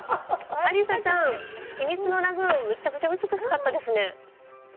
アリサちゃん、秘密のラグーン、むちゃくちゃ美しかったですね。